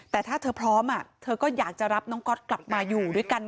แต่ถ้าเธอพร้อมเธอก็อยากจะรับน้องก๊อตกลับมาอยู่ด้วยกัน